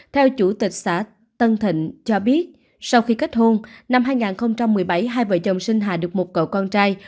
theo chủ tịch xã tân thịnh cho biết sau khi kết hôn năm hai nghìn một mươi bảy hai vợ chồng sinh hà được một cậu con trai